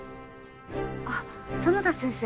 あっ園田先生